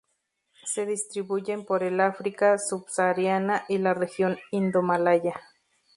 Se distribuyen por el África subsahariana y la región indomalaya.